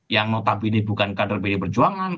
yang notabene bukan kader pdi perjuangan